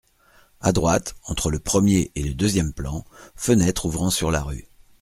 A droite, entre le premier et le deuxième plan, fenêtre ouvrant sur la rue.